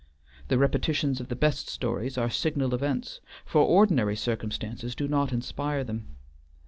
The repetitions of the best stories are signal events, for ordinary circumstances do not inspire them.